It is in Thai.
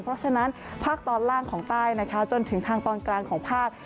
เพราะฉะนั้นภาคตอนล่างของใต้นะคะจนถึงทางตอนกลางของภาค